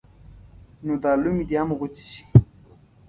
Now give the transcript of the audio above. نو دا لومې دې هم غوڅې شي.